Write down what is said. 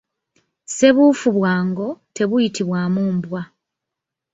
Ssebuufu bwa ngo, tebuyitibwamu mbwa.